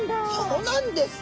そうなんです。